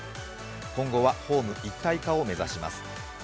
今後はホーム一体化を目指します。